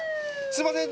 すいません。